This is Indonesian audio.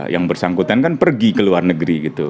yang bersangkutan kan pergi ke luar negeri gitu